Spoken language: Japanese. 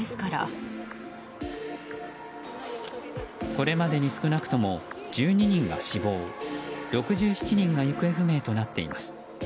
これまでに少なくとも１２人が死亡６７人が行方不明となっています。